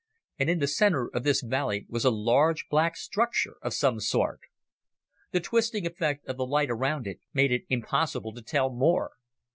And in the center of this valley was a large black structure of some sort. The twisting effect of the light around it made it impossible to tell more.